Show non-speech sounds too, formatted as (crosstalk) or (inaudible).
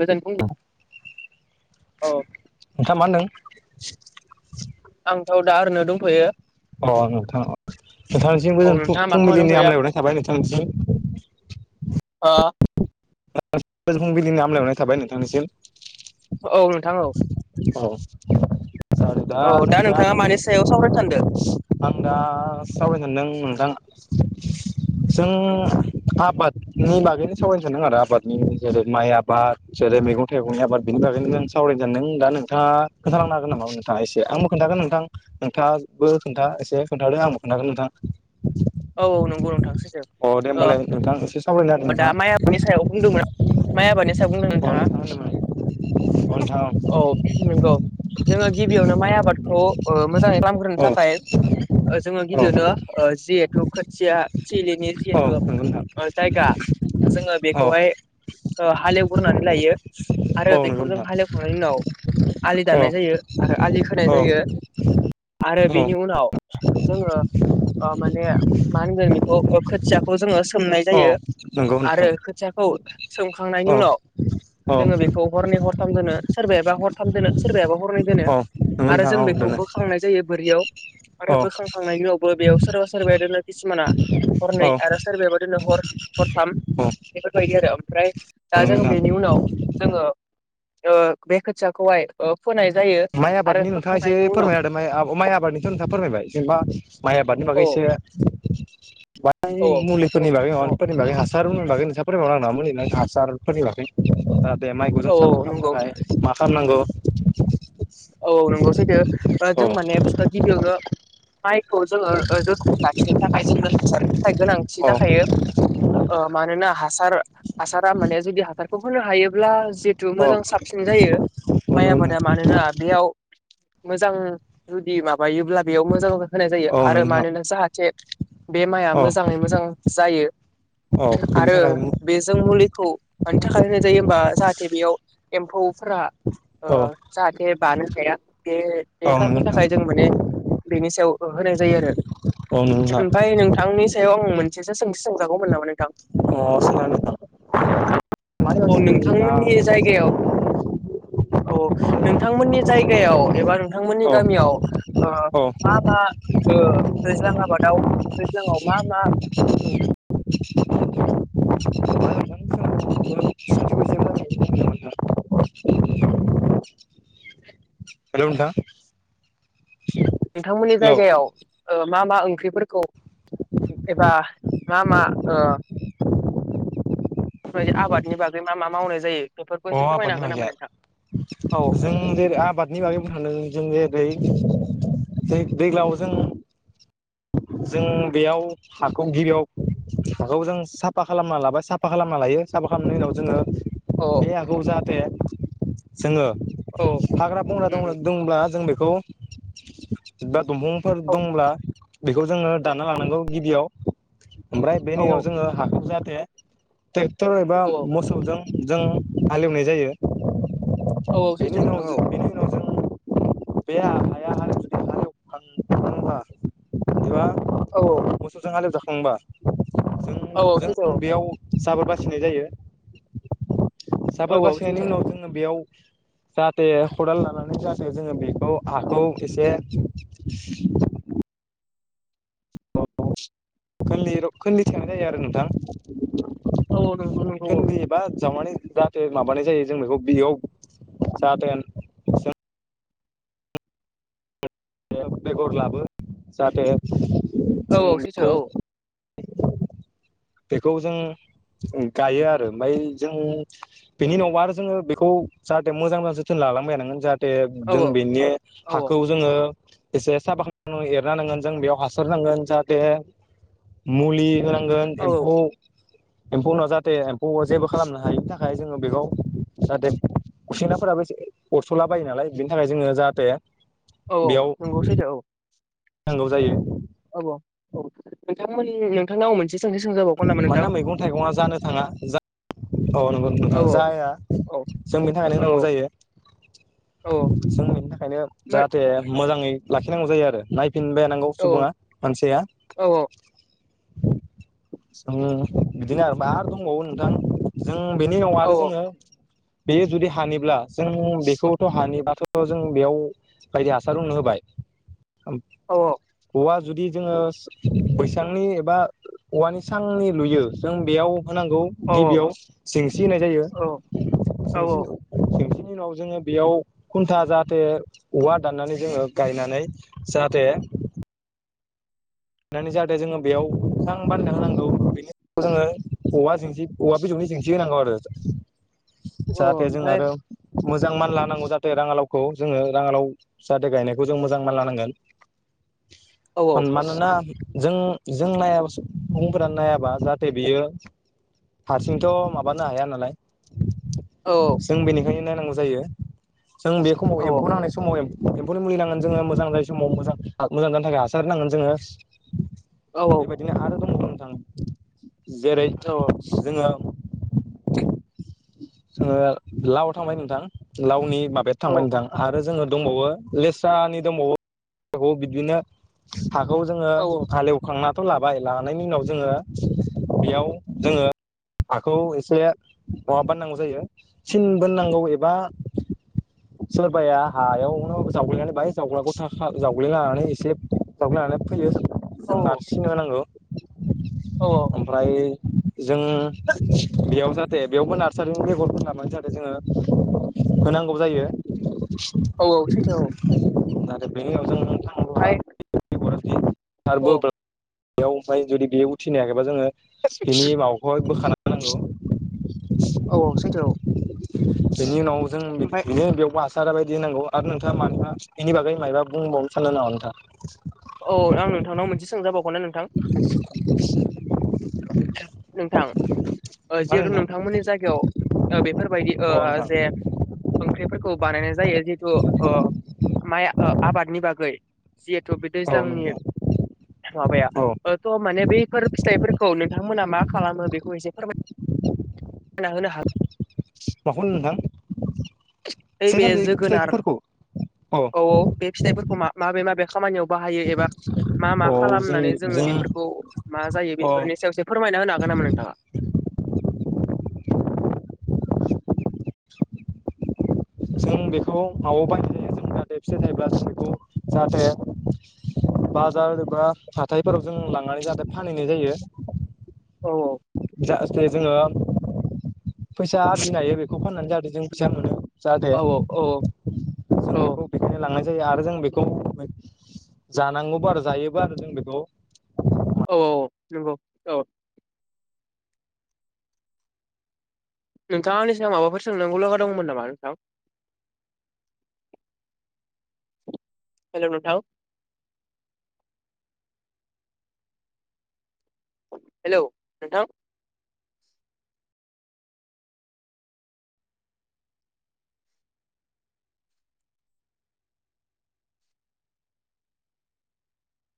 गोजोन फुं अ नोंथांआ मा होनदों? आंथ' दा ओरैनो दंथ'यो, अ नोंथां नोंथांनिसिमबो औ गोजोन नोंथाङा मा खालामना फुंबिलिनि हामलायहरनाय थाबाय नोंथांनिसिम, आ फुंबिलिनि हामलायहनाय थाबाय नोंथांनिसिम, औ नोंथां औ, औ औ दा नोंथाङा मानि सायाव सावरायनो सानदों? आं दा सावरायनो सान्दों नोंथां, जों आबादनि बागैनो सावरायनो सानदों आदाब, आबादनि जेरै माइ आबाद जेरै मैगं थाइगंनि आबाद बिनि बागैनो जों (unintelligible) दा नोंथाङा, खोनथालांनो हागोन नामा? नोंथाङा एसे आंबो खोन्थागोन नोंथां एसे खोन्थादों आंबो खोन्थागोन नोंथां औ औ नंगौ नोंथां सैथो अ दे होमबालाय नोंथां सावरायनो दा माइ आबादनि सायाव बुंदोंमोन माइ आबादनि सायाव बुंदों नागिरदों नोंथाङा नोंथां अ नोंथां होनदोंमोन अ नोंथां औ नंगौ जोङो गिबियावनो माइ आबादखौ मोजाङै खालामग्रोनो औ थाखाय जोङो गिबियावनो औ जिहेथु खोथिया थिलिनि औ जिहेतु नंगौ नोंथां जायगा जोङो औ खौहाय हालेवग्रोनानै लायो आरो औ नंगौ बेखौ जों नोंथां हालेवखांनायनि उनाव आलि औ दाननाय जायो आरो आलि खोनाय औ जायो। आरो औ बेनि उनाव जोङो माने मा होनगोन बेखौ खोथियाखौ जोङो सोमनाय औ जायो नंगौ आरो नोंथां खोथियाखौ औ सोमखांनायनि औ उनाव औ जोङो बेखौ हरनै हरथाम दोनो सोरबायाबा हरथाम दोनो सोरबायायाबा हरनै दोनो औ नंगौ आरो नोंथां जों औ बेखौ दोनो बोखांनाय जायो बोरियाव औ आरो बोखांखांनायनि उनावबो बेयाव सोरबा सोरबबायाददिनो खिसुमाना हरनै औ आरो सोरबाया बाददिनो हर हरथाम बेफोरबायदि आरो ओमफ्राय दा नंगौ जों नोंथां बेनि उनाव जोङो ओ बे खोथियाखौहाइ माइ आबादनि नोंथाङा एसे उनाव फोरमाय ना होदो माइ आबादनिथ' नोंथाङा फोरमायबाय जेनेबा माइ आबाद आबादनि औ बागै एसे औ बाय औ मुलिफोरनि नोंथां बागैफोरनि बागै (inaudible) दे माइ औ जों साफा खालामनो नंगौ थाखाय मा खालामनांगौ? औ औ नंगौ सैथो औ जों माने बुस्थुआ गिबियावनो माइ खौ जोङो जोथोनै लाखिनो थाखाय जों थाखाय गोनांथि औ जाखायो। मानोना हासार हासारा माने जुदि हासारखौ होनो हायोब्ला जिहेथु औ मोजां साबसिन जायो औ माइ नंगौ नोंथां आबादा मानोना बेयाव मोजां जुदि माबायोब्ला बेयाव मोजां मोजां होनाय जायो औ नंगौ आरो नोंथां मानोना जाहाथे बे माइआ औ मोजाङै मोजां जायो। औ बेनि आरो थाखाय बेजों मुलिखौ मानि थाखाय होनाय जायो होमबा जाहाथे बेयाव एम्फौफोरा औ जाहाथे बानो हाया बे औ बे नंगौ खारननि नोंथां थाखाय जों माने बेनि सायाव होनाय जायो आरो औ नंगौ नोंथां ओमफ्राय नोंथांनि सायाव आं मोनसेसो सोंथि सोंखागौमोन नामा नों (inaudible) औ नोंथांमोननि जायगायाव (inaudible) औ नोंथांमोननि जायगायाव एबा नों नोंथांमोननि गामियाव मा मा थैज्लां आबादावज्लाङाव मा मा मा हेल' नोंथां नोंथांमोननि हेलौ जायगायाव मा मा ओंख्रिफोरखौ एबा मा मा आबादनि बागै मा मा मावनाय जायो? बेफोरखौ अ एसे फोरमायनो आबादनि हागोन नामा बागै नोंथां औ जों जे आबादनि बागै बुं सांदों जों दैज्लांयाव जों जों बेयाव हाखौ गिबियाव हाखौ जों साफा खालामना लाबाय साफा खालामना लायो। बे साफा खालामनायनि उनाव जोङो औ बे हाखौ जाहाथे जोङो औ हाग्रा बंग्रा उम दं उम दंब्ला जों बे। खौ बा दंफांफोर दंब्ला बेखौ जोङो दानना लानांगौ गिबियाव ओमफ्राय औ बेनि औ उनाव जोङो हाखौ जाय। ट्रेक्टर एबा औ मोसौजों जों हालेवनाय जायो। औ औ बेनि सैथो उनाव नोंथां औ बेनि उनाव जों। बे हाया हारि जुदि हां थांबा एबा औ मोसौजों हालेवजाखांबा जों औ औ जों सैथो बेयाव जाबोर बासिनाय जायो औ जाबोर औ सैथो बासिनायनि उनाव जोङो बेयाव जाहाथे खदाल लानानै जाहाथे जोङो बेखौ हाखौ एसे (unintelligible) जायो आरो नोंथां औ औ नंगौ नंगौ औ खोन्दो एबा जावनानै जाहाथे माबानाय जायो जों बेखौ बेयाव जाहाथे बेगर लाबो जाहाथे औ जों औ सैथो बेखौ औ। बेखौ जों गायो आरो ओमफ्राय जों बेनि उनाव आरो जोङो बेखौ जाहाथे मोजां मोजां जोथोन लालांबाय आरो नों जाहाथे औ जों बेनि औ हाखौ जोङो एसे साबा खालामना एरना नांगोन जों बेयाव हासार नांगोन जाहाथे मुलि होनां गोन औ औ एम्फौ एम्फौनाव जाहाथे एम्फौ जेबो खालामनो हायैनि थाखाय जोङो बेखौ जाहाथे‌ गुसेंग्राफोराबो एसे अरस'ला बायो नालाय बिनि थाखाय जोङो जाहाथे औ औ नंगौ सैथो औ। नांगौ जायो। औ औ औ नोंथांमोन नोंथांनाव आम मोनसे सोंथि सोंजाबावगोन‌ नामा नोंथां? मानोना मैगं थाइगङा जानो थाङा जा औ नंगौ नोंथां औ जाया औ जोंनि थाखायनो औ होनांगौ जायो। औ जों बेनि थाखायनो जाहाथे मोजाङै लाखिनांगौ जायो आरो नायफिनबाय नांगौ औ सुबुङा मानसिया। औ जों बिदिनो आरो मा आरो दंबावो नोंथां जों बेनि उनाव आरो जोङो बेयो जुदि हानिब्ला जों बेखौथ' हानिबाथ' जों बेयाव बायदि हासार होनो होबाय ओम औवा‌ जुदि जोङो बैसांनि एबा औवानि सांनि लुयो जों बेयाव होनांगौ औ गिबियाव जेंसि होनाय जायो औ जेंसि जेंसि बेनि उनाव जोङो बेयाव खुन्था जाहाथे औवा दाननानै जोङो गायनानै जाहाथे (inaudible) होनानै जाहाथे जोङो बेयाव सां बानायना होनांगौ बेनि उनाव जोङो औवा‌ जेंसि औवा बिजौनि जेंसि होनांगौ आरो औ जाहाथे जों ओमफ्राय आरो मोजां मानला होनांगौ जाहाथे राङालाव खौ जोङो राङालाव जाहाथे गायनायखौ जों मोजाङै मानलाहोनांगोन। औ औ। जों जों नायाबा सुबुंफोरा नायाबा जाहाथे बियो हारसिंथ' माबानो हाया नालाय जों बेनिखायनो नायनांगौ जायो जों बे समाव एम्फौ नांनाय समाव एम्फौ एम्फौनि मुलि नांगोन जोङो मोजां जायो समाव मोजां मोजां जानो थाखाय हासार होनांगोन जोङो। औ बेबायदिनो आरो दंबावो नोंथां जेरै जोङो जोङो लाव थांबाय नोंथां लावनि माबाया औ थांबाय नोंथां आरो जोङो दंबावो लेस्रानि दंबावो बिदिनो हाखौ जोङो हालेवखांना थ' लाबाय लानायनि उनाव जोङो बेयाव जोङो हाखौ एसे माबा बानायनांगौ जायो सिन बोनांगौ एबा (inaudible) सोरबाया हायावनो जावग्लिनानै बाय जावग्लाखौ थाख जावग्लिनानै एसे जावग्लिनानै फैयो जों नारसिन होनांगौ औ औ ओमफ्राय जों बेयाव जाहाथे बेयावबो नार सारिनि बेगरफोरानो जाहाथे जोङो होनांगौ जायो औ औ सैथो औ। जाहाथे बेनि उनाव जों (unintelligible) आरो औ बोब्लायाव ओमफ्राय जुदि बेयो उथिनो हायाखैबा जोङो बेनि माबाखौहाय बोखाना नंगौ। औ औ सैथो औ। बेनि उनाव जों ओमफ्राय बिदिनो बेयाव बा सारा बायदि होन नांगौ आरो नोंथाङा माना बेनि बागै मायबा बुंबावनो सानदों नामा नोंथां? औ आं नोंथांनाव मोनसे सोंजाबावगोन ना नोंथां? नोंथां। ओ जिहेतु नोंथां? मा नोंथांमोननि जायगायाव बेफोरबायदि ओ होनो नोंथां जे ओंख्रिफोरखौ बानायनाय जायो जिहेतु ओ माइ आबादनि बागै जिहेथु बे अ दैज्लांनि नोंथां माबाया औ नोंथां औ थ' माने बैफोर फिथाइफोरखौ नोंथां मोना मा खालामो बेखौ एसे फोरना होनो हागोन माखौ होनो (unintelligible) फिथाइ नैबे सामथाइ जोगोनार फिथाइफोरखौ अ औ औ बे फिथाइफोरखौ मा माबे माबे खामानियाव बाहायो एबा मा मा औ जों खालामनानै जोङो जों बेफोरखौ मा जायो अ बेफोरनि सायावसो फोरमायना होनो हागोन नामा नोंथाङा? जों बेखौ न'आव बायनाय जायो जों जाहाथे फसे थायोब्ला जों बेखौ जाहाथे बाजार एबा हाथायफोराव जों लांनानै जाहाथे फानहैनाय जायो औ औ जाहाथे जोङो फैसा आरजिनो हायो बेखौ फाननानै जाहाथे जों फैसा मोनो जाहाथे औ औ जों औ औ बेखौ बेखायनो लांनाय जायो आरो जों बेखौ जानांगौबो आरो जायोबो आरो जों बेखौ औ औ नंगौ औ। नोंथाङा आंनिसिगाङाव माबाफोर सोंनांगौलागा दंमोन नामा नोंथां? हेल' नोंथां। हेल' नोंथां।